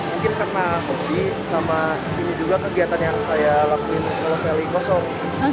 mungkin karena hobi sama ini juga kegiatan yang saya lakuin kalau selly kosong